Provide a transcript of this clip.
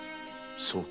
そうか。